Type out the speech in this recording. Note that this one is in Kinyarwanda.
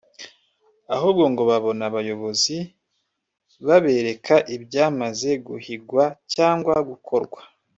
ahubwo ngo babona abayobozi babereka ibyamaze guhigwa cyangwa gukorwa